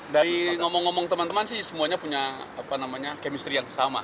dari ngomong ngomong teman teman sih semuanya punya apa namanya kemisteri yang sama